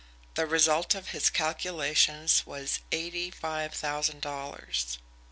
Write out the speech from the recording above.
The result of his calculations was eighty five thousand dollars.